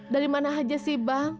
dari mana saja sih bang